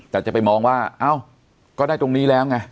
แต่จะไปมองว่าเอ้าก็ได้ตรงนี้แล้วไง